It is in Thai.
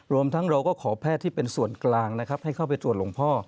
รวมทั้งเราก็ขอแพทย์ที่เป็นส่วนกลางนะครับให้เข้าไปตรวจหลวงพ่อ